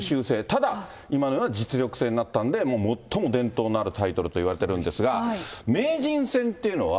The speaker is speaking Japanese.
ただ、今のような実力制になったので、最も伝統のあるタイトルといわれているんですが、名人戦っていうのは。